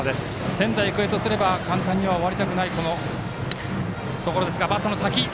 仙台育英とすれば簡単には終わりたくないところですが。